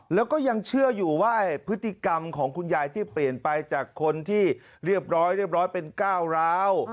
แล้วก็ยังเชื่ออยู่ว่าพฤติกรรมของคุณยายที่เปลี่ยนไปจากคนที่เรียบร้อยเรียบร้อยเป็นก้าวร้าว